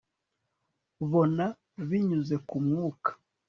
bona binyuze ku mwuka